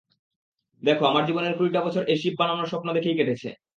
দেখ, আমার জীবনের কুড়িটা বছর এই শিপ বানানোর স্বপ্ন দেখেই কেটেছে।